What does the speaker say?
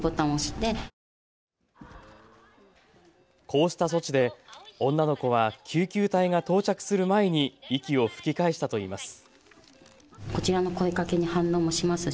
こうした措置で女の子は救急隊が到着する前に息を吹き返したといいます。